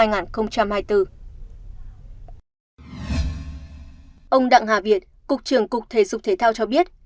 ông đặng hà việt cục trưởng cục thể dục thể thao cho biết